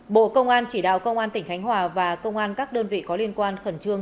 bộ công an chỉ đạo công an tỉnh khánh hòa và công an các đơn vị có liên quan khẩn trương